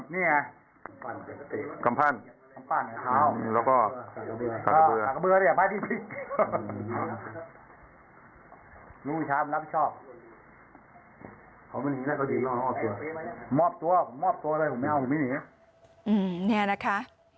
นี่นะคะ